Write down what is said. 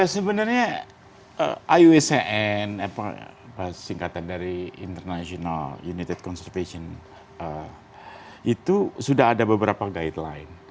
sebenarnya iucn singkatan dari international united conservation itu sudah ada beberapa guideline